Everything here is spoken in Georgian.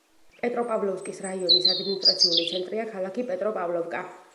პეტროპავლოვკის რაიონის ადმინისტრაციული ცენტრია ქალაქი პეტროპავლოვკა.